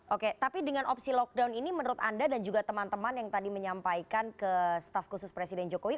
oke tapi dengan opsi lockdown ini menurut anda dan juga teman teman yang tadi menyampaikan ke staf khusus presiden jokowi